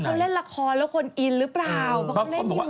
เฮียพี่เขาเล่นละครแล้วคนอินหรือเปล่า